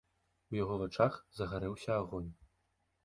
У яго вачах загарэўся агонь.